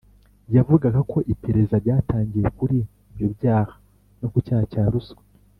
yavugaga ko iperereza ryatangiye kuri ibyo byaha no ku cyaha cya ruswa